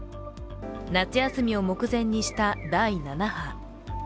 夏休みを目前にした第７波。